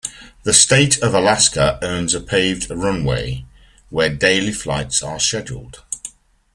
The state of Alaska owns a paved runway, where daily flights are scheduled.